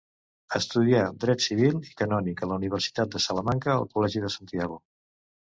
Estudià Dret Civil i Canònic a la Universitat de Salamanca, al Col·legi de Santiago.